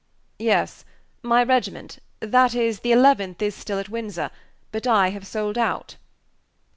"Yes, my regiment that is, the Eleventh is still at Windsor; but I have sold out."